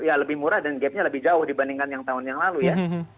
ya lebih murah dan gapnya lebih jauh dibandingkan yang tahun yang lalu ya